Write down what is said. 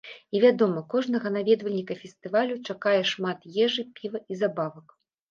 І, вядома, кожнага наведвальніка фестывалю чакае шмат ежы, піва і забавак.